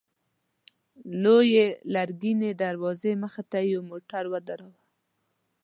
لويې لرګينې دروازې مخته يې موټر ودراوه.